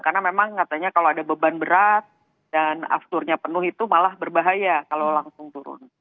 karena memang katanya kalau ada beban berat dan afturnya penuh itu malah berbahaya kalau langsung turun